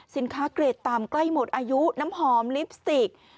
เกรดต่ำใกล้หมดอายุน้ำหอมลิปสติก